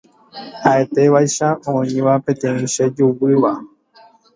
ha'etévaicha oĩva peteĩ chejuvýva